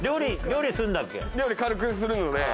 料理軽くするので。